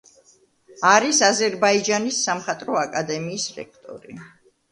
არის აზერბაიჯანის სამხატვრო აკადემიის რექტორი.